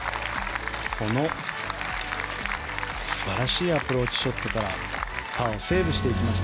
素晴らしいアプローチショットからパーをセーブしていきました。